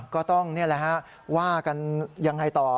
ก็ต้องว่ากันยังไงต่อ